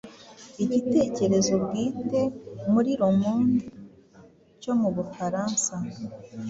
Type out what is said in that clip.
igitekerezo bwite muri Le Monde cyo mu Bufaransa.